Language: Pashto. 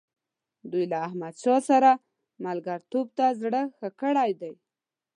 دوی له احمدشاه سره ملګرتوب ته زړه ښه کړی دی.